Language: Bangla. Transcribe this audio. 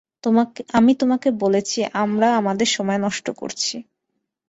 আমি তোমাকে বলছি, আমরা আমাদের সময় নষ্ট করছি।